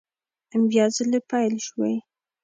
بیا ځلي پیل شوې